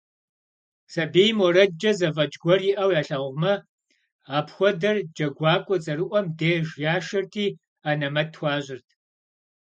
Сабийм уэрэдкӀэ зэфӀэкӀ гуэр иӀэу ялъагъумэ, апхуэдэр джэгуакӀуэ цӀэрыӀуэм деж яшэрти анэмэт хуащӀырт.